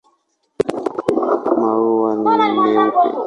Maua ni meupe.